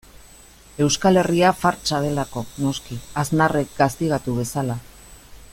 Euskal Herria fartsa delako, noski, Aznarrek gaztigatu bezala.